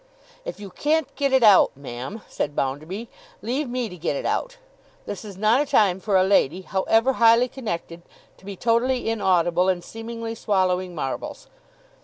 'If you can't get it out, ma'am,' said Bounderby, 'leave me to get it out. This is not a time for a lady, however highly connected, to be totally inaudible, and seemingly swallowing marbles.